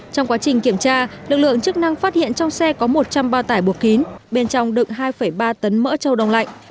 trong quá trình kiểm tra lực lượng chức năng phát hiện trong xe có một trăm linh bao tải buộc kín bên trong đựng hai ba tấn mỡ trâu đông lạnh